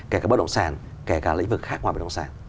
kể cả bất động sản kể cả lĩnh vực khác ngoài bất động sản